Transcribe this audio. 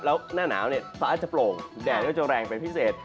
แล้วหน้าหนาวเนี่ยฟ้าจะโปร่งแดดก็จะแรงเป็นพิเศษ